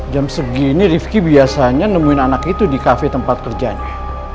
jam segini rivki biasanya nemuin anak itu di kafe tempat kerjanya